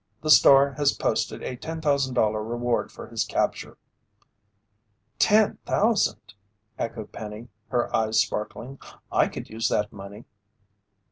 The Star has posted a $10,000 reward for his capture." "Ten thousand!" echoed Penny, her eyes sparkling. "I could use that money!"